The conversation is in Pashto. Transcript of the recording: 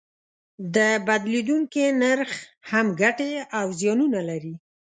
د بدلیدونکي نرخ هم ګټې او زیانونه لري.